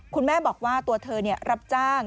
คุณแม่บอกว่าตัวเธอรับจ้าง